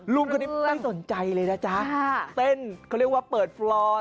ลุงคนนี้ไม่สนใจเลยนะจ๊ะเต้นเขาเรียกว่าเปิดฟลอน